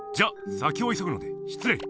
先をいそぐので失礼。